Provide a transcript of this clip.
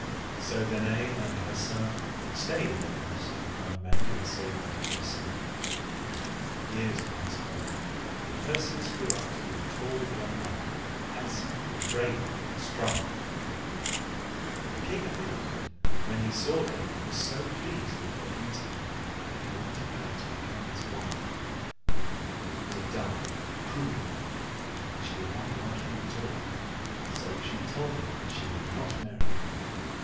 So Danaë and her son stayed in the house of the kind man who had saved them from the sea. Years passed by, and Perseus grew up to be a tall young man, handsome, and brave, and strong. The king of the island, when he saw Danaë, was so pleased with her beauty that he wanted her to become his wife. But he was a dark, cruel man, and she did not like him at all; so she told him that she would not marry him.